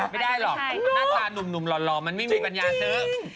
ไม่ได้หรอกหน้าตานุ่มหล่อมันไม่มีปัญญาซื้อ